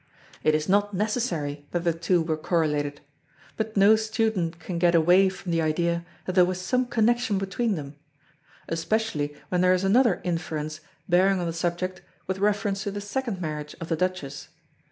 It is not necessary that the two were correlated; but no student can get away from the idea that there was some connection between them, especially when there is another inference bearing on the subject with reference to the second marriage of the Duchess.